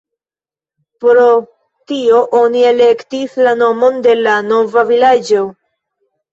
Pro tio oni elektis la nomon de la nova vilaĝo.